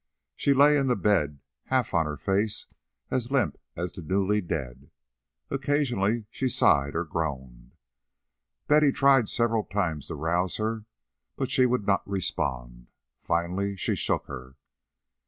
She lay in the bed, half on her face, as limp as the newly dead. Occasionally she sighed or groaned. Betty tried several times to rouse her, but she would not respond. Finally she shook her.